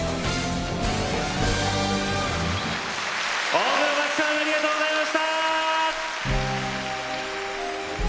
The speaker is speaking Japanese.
大黒摩季さんありがとうございました。